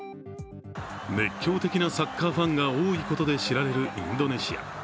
熱狂的なサッカーファンが多いことで知られるインドネシア。